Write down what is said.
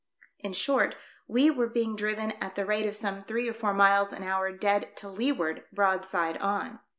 In short, we were beino; driven at the rate of some three or four miles an hour dead to leeward, broadside on.